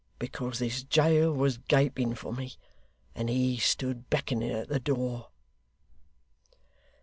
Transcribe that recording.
Because this jail was gaping for me, and he stood beckoning at the door.